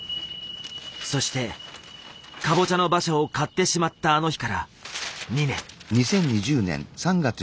そして「かぼちゃの馬車」を買ってしまったあの日から２年。